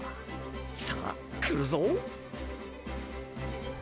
さあ来るぞ。